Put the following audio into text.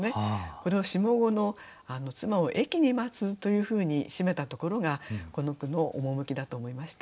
これを下五の「妻を駅に待つ」というふうに締めたところがこの句の趣だと思いました。